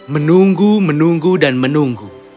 menunggu menunggu dan menunggu